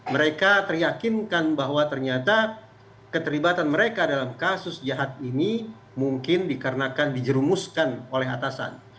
mereka teryakinkan bahwa ternyata keterlibatan mereka dalam kasus jahat ini mungkin dikarenakan dijerumuskan oleh atasan